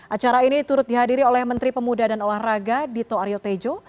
acara ini turut dihadiri oleh menteri pemuda dan olahraga dito aryo tejo